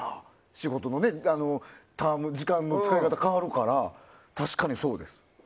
仕事の時間の使い方が変わるから確かにそうです。